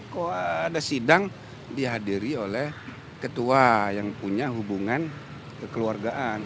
kok ada sidang dihadiri oleh ketua yang punya hubungan kekeluargaan